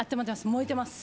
燃えてます。